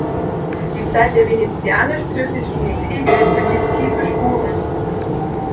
Die Zeit der venezianisch-türkischen Kriege hinterließ tiefe Spuren.